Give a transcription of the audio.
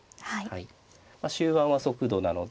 終盤は速度なので。